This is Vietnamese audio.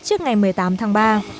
trước ngày một mươi tám tháng ba